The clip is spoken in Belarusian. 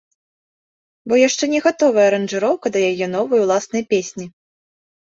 Бо яшчэ не гатовая аранжыроўка да яе новай уласнай песні.